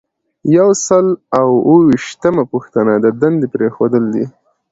یو سل او اووه ویشتمه پوښتنه د دندې پریښودل دي.